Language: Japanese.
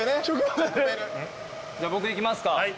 じゃあ僕いきますか。